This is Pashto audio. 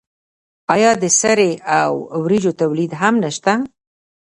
آیا د سرې او وریجو تولید هم نشته؟